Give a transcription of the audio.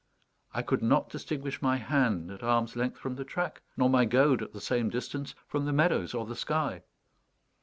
I could not distinguish my hand at arm's length from the track, nor my goad, at the same distance, from the meadows or the sky.